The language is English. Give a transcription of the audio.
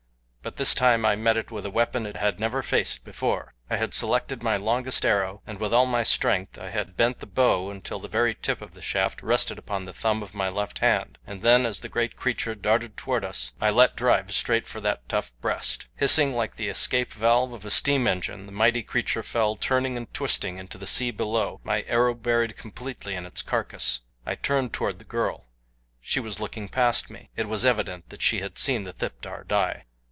But this time I met it with a weapon it never had faced before. I had selected my longest arrow, and with all my strength had bent the bow until the very tip of the shaft rested upon the thumb of my left hand, and then as the great creature darted toward us I let drive straight for that tough breast. Hissing like the escape valve of a steam engine, the mighty creature fell turning and twisting into the sea below, my arrow buried completely in its carcass. I turned toward the girl. She was looking past me. It was evident that she had seen the thipdar die.